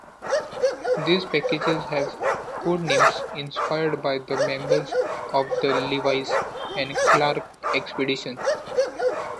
These packages have codenames inspired by the members of the Lewis and Clark Expedition.